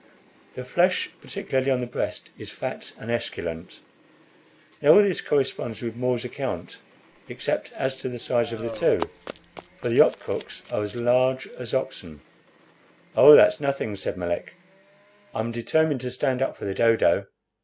The flesh particularly on the breast, is fat and esculent. Now, all this corresponds with More's account, except as to the size of the two, for the opkuks are as large as oxen." "Oh, that's nothing," said Melick; "I'm determined to stand up for the dodo."